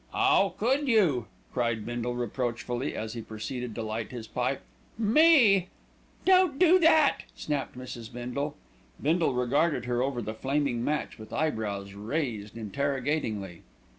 "'Ow could you!" cried Bindle reproachfully, as he proceeded to light his pipe. "Me " "Don't do that!" snapped Mrs. Bindle. Bindle regarded her over the flaming match with eyebrows raised interrogatingly.